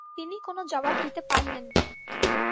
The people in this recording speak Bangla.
তিনি কোনো জবাব দিতে পারলেন না।